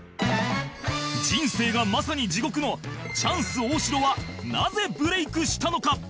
人生がまさに地獄のチャンス大城はなぜブレイクしたのか？